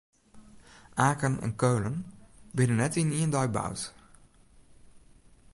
Aken en Keulen binne net yn ien dei boud.